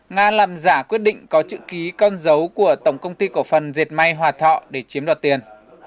nga làm giả quyết định có chữ ký con dấu của tổng công ty cổ phần diệt may hòa thọ để chiếm đoạt tiền